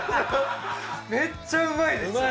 めっちゃうまいです！